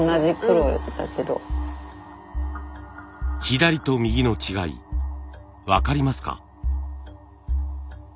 左と右の違い分かりますか？